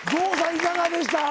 いかがでした？